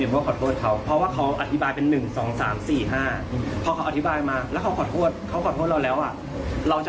ผมอยากให้มันเป็นตัวอย่างนะครับว่า